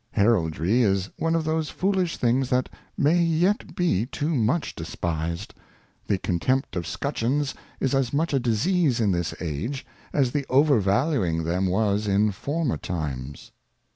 Heraldry is one of those fooUsh Things that may yet be too much despised. The Contempt of Scutcheons is as much a Disease in this Age, as the over valuing them was in former Times.